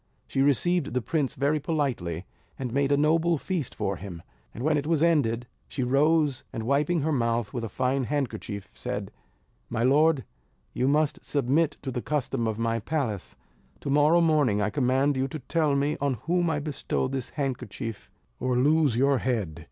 She received the prince very politely, and made a noble feast for him; and when it was ended, she rose, and wiping her mouth with a fine handkerchief, said: "My lord, you must submit to the custom of my palace; to morrow morning I command you to tell me on whom I bestow this handkerchief or lose your head."